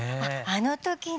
あの時の。